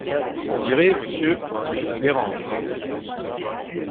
On dirait, messieurs, que je vous dérange! dit-elle.